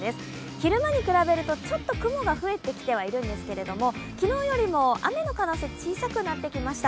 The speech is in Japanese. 昼間に比べるとちょっと雲が増えてきてはいるんですけれども昨日よりも雨の可能性は小さくなってきました